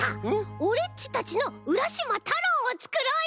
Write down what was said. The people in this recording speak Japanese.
オレっちたちの「うらしまたろう」をつくろうよ！